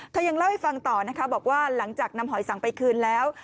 ยังเล่าให้ฟังต่อนะคะบอกว่าหลังจากนำหอยสังไปคืนแล้ว